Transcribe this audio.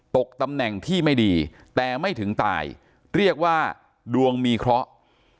ตกตำแหน่งที่ไม่ดีแต่ไม่ถึงตายเรียกว่าดวงมีเคราะห์